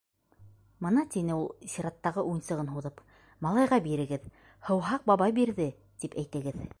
Мына, - тине ул сираттағы уйынсығын һуҙып, - малайға бирегеҙ, һыуһаҡ бабай бирҙе, тип әйтегеҙ.